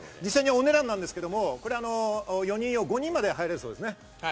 お値段なんですけど、４人用、５人まで入れるんですね。